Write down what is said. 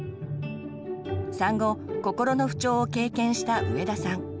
産後心の不調を経験した上田さん。